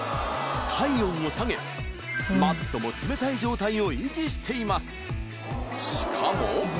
体温を下げマットも冷たい状態を維持しています